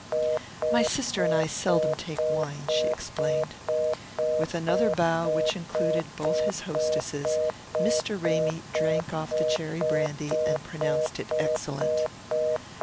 "My sister and I seldom take wine," she explained. With another bow, which included both his hostesses, Mr. Ramy drank off the cherry brandy and pronounced it excellent.